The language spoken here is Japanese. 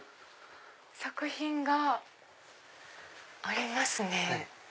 作品がありますね。